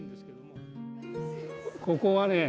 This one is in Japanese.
ここはね